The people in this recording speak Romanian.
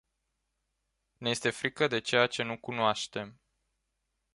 Ne este frică de ceea ce nu cunoaștem.